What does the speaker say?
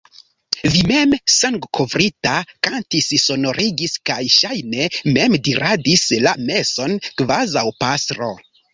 Vi mem, sangkovrita, kantis, sonorigis kaj, ŝajne, mem diradis la meson, kvazaŭ pastro.